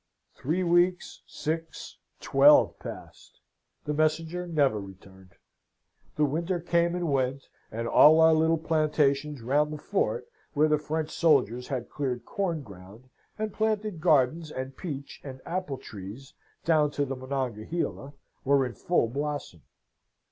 "Three weeks, six, twelve, passed. The messenger never returned. The winter came and went, and all our little plantations round the fort, where the French soldiers had cleared corn ground and planted gardens and peach and apple trees down to the Monongahela, were in full blossom.